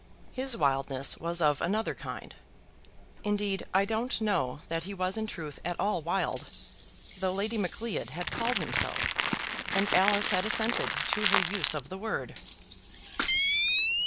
His wildness was of another kind. Indeed, I don't know that he was in truth at all wild, though Lady Macleod had called him so, and Alice had assented to her use of the word.